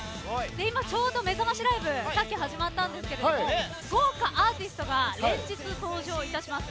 今、ちょうどめざましライブさっき始まったんですけども豪華アーティストが連日登場いたします。